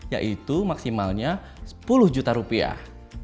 yaitu maksimalnya sepuluh juta rupiah